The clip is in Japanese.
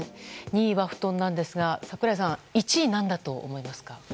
２位は布団なんですが櫻井さん、１位は何だと思います？